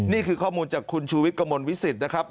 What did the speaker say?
นี่คือข้อมูลจากคุณชูวิทย์กระมวลวิสิตนะครับ